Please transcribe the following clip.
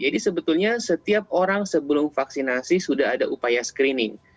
jadi sebetulnya setiap orang sebelum vaksinasi sudah ada upaya screening